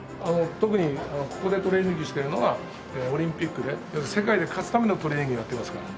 特にここでトレーニングしてるのはオリンピックで要するに世界で勝つためのトレーニングをやってますから。